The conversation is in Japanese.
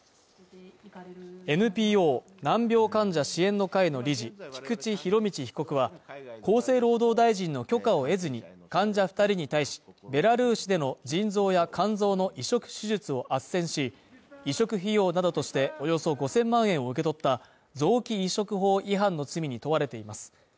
ＮＰＯ難病患者支援の会の理事、菊池仁達被告は厚生労働大臣の許可を得ずに患者２人に対し、ベラルーシでの腎臓や肝臓の移植手術をあっせんし、移植費用などとして、およそ５０００万円を受け取った臓器移植法違反の罪に問われています。